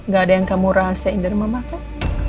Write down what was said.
gak ada yang kamu rahasiain dari mama kan